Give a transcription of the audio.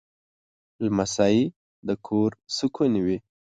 لمسی د کور سکون وي.